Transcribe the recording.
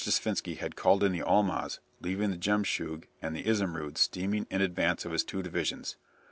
At dawn Rojdestvensky had called in the "Almaz," leaving the "Jemschug" and "Izumrud" steaming in advance of his two divisions.